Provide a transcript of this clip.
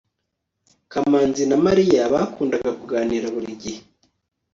kamanzi na mariya bakundaga kuganira buri gihe